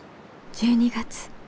１２月。